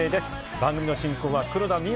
番組の進行は黒田みゆ